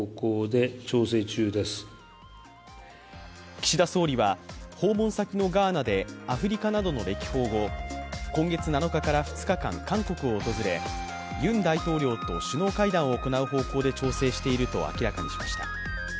岸田総理は訪問先のガーナでアフリカなどの歴訪後、今月７日から２日間韓国を訪れユン大統領と首脳会談を行う方向で調整していると明らかにしました。